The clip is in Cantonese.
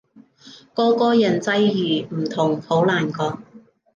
個個人際遇唔同，好難講